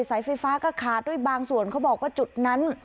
สายไฟฟ้าก็ขาดด้วยบางส่วนเขาบอกว่าจุดนั้น